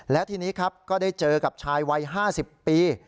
และทีนี้ครับก็ได้เจอกับชายวัย๕๐ปี